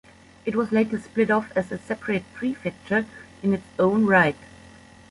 It was later split off as a separate prefecture in its own right.